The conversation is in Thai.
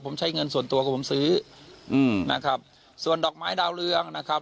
ผมใช้เงินส่วนตัวของผมซื้ออืมนะครับส่วนดอกไม้ดาวเรืองนะครับ